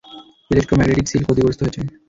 Electromagnetic seal ক্ষতিগ্রস্ত হয়েছে।